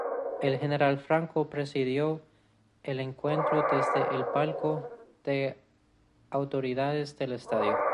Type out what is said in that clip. El General Franco presidió el encuentro desde el palco de autoridades del estadio.